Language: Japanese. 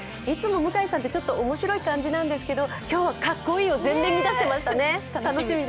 いつも向井さんって面白い感じなんですけど今日はかっこいいを全面に出していましたね。